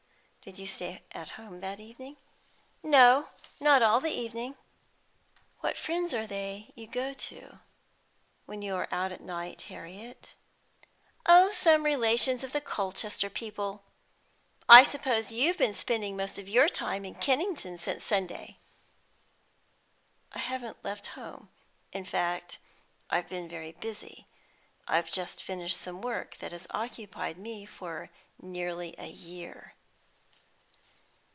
"Did you stay at home that evening?" "No, not all the evening." "What friends are they you go to, when you are out at night, Harriet?" "Oh, some relations of the Colchester people. I suppose you've been spending most of your time in Kennington since Sunday?" "I haven't left home. In fact, I've been very busy. I've just finished some work that has occupied me for nearly a year."